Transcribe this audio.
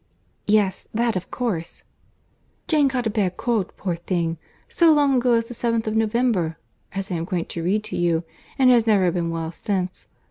"Yes, that of course." "Jane caught a bad cold, poor thing! so long ago as the 7th of November, (as I am going to read to you,) and has never been well since.